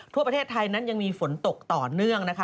ทั่วประเทศไทยนั้นยังมีฝนตกต่อเนื่องนะคะ